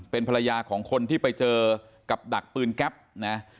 เป็นภรรยาของคนที่ไปเจอกับดักปืนแก๊ปนะ